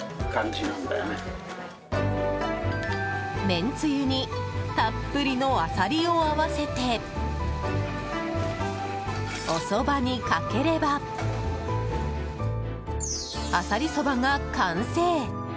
めんつゆにたっぷりのアサリを合わせておそばにかければあさりそばが完成。